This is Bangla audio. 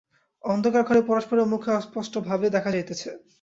অন্ধকার ঘরে পরস্পরের মুখ অস্পষ্ট ভাবে দেখা যাইতেছে।